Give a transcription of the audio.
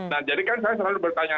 nah jadi kan saya selalu bertanya